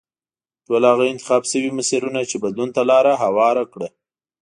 ټول هغه انتخاب شوي مسیرونه چې بدلون ته لار هواره کړه.